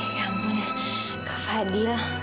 ya ampun kak fadil